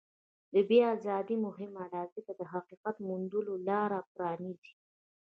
د بیان ازادي مهمه ده ځکه چې د حقیقت موندلو لاره پرانیزي.